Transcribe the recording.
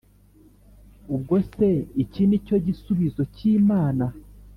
ubwo se iki nicyo gisubizo cy’imana?